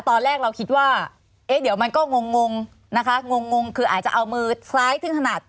ตอนแรกเราคิดว่าเอ๊ะเดี๋ยวมันก็งงนะคะงงคืออาจจะเอามือซ้ายถึงขนาด